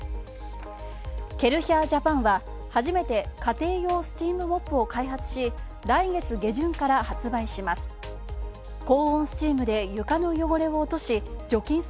ケルヒャージャパンは、初めて家庭用スチームモップを開発し、来月下旬から発売します。